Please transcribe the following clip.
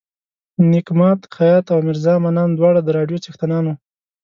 نیک ماد خیاط او میرزا منان دواړه د راډیو څښتنان وو.